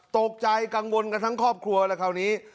ตกใจกังวลกันทั้งครอบครัวแล้วคราวนี้